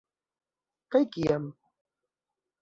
Kaj kiam.